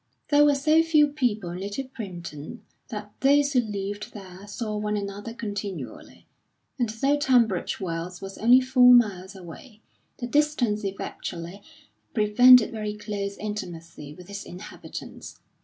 There were so few people in Little Primpton that those who lived there saw one another continually; and though Tunbridge Wells was only four miles away, the distance effectually prevented very close intimacy with its inhabitants.